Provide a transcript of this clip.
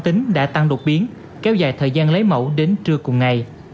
tính đã tăng đột biến kéo dài thời gian lấy mẫu đến trưa cùng ngày